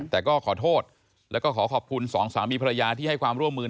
แต่ก็ขอโทษแล้วก็ขอขอบคุณสองสามีภรรยาที่ให้ความร่วมมือ